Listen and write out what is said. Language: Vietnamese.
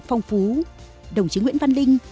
phong phú đồng chí nguyễn văn linh